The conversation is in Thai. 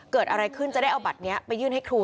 เกิดอะไรขึ้นจะได้เอาบัตรนี้ไปยื่นให้ครู